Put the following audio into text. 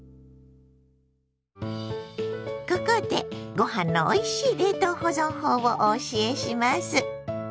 ここでご飯のおいしい冷凍保存法をお教えします。